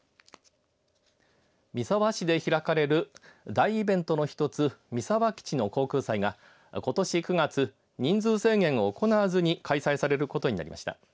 三沢市で開かれる大イベントの一つ三沢基地の航空祭がことし９月、人数制限を行わずに開催されることになりました。